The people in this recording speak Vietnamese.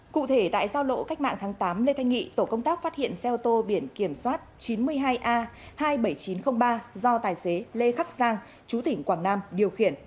cụ thể tại giao lộ cách mạng tháng tám lê thanh nghị tổ công tác phát hiện xe ô tô biển kiểm soát chín mươi hai a hai mươi bảy nghìn chín trăm linh ba do tài xế lê khắc giang chú tỉnh quảng nam điều khiển